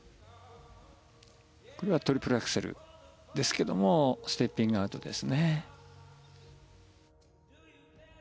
これはトリプルアクセルですけどもステッピングアウトですね。